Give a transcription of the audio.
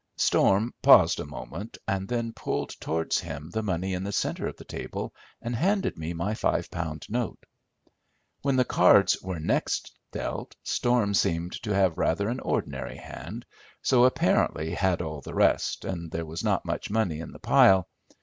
Storm paused a moment and then pulled towards him the money in the centre of the table and handed me my five pound note. When the cards were next dealt, Storm seemed to have rather an ordinary hand, so apparently had all the rest, and there was not much money in the pile.